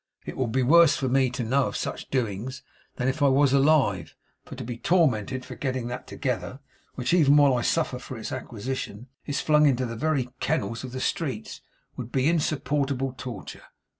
' It will be worse for me to know of such doings, than if I was alive; for to be tormented for getting that together, which even while I suffer for its acquisition, is flung into the very kennels of the streets, would be insupportable torture.